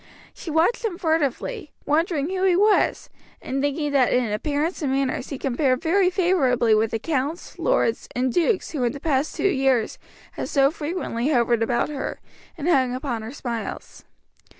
She watched him furtively, wondering who he was, and thinking that in appearance and manners he compared very favorably with the counts, lords, and dukes who in the past two years had so frequently hovered about her, and hung upon her smiles.